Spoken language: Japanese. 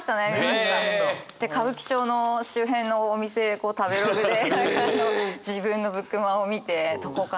で歌舞伎町の周辺のお店こう食べログで自分のブクマを見てどこかな。